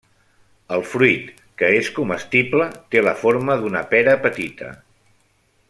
El fruit, que és comestible, té la forma d'una pera petita.